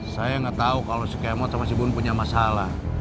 saya nggak tahu kalau si kemot sama si bun punya masalah